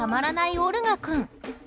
オルガ君。